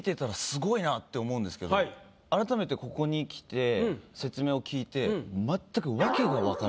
けどあらためてここに来て説明を聞いて。